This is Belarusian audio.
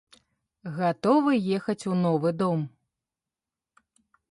Гатовы ехаць у новы дом.